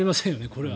これは。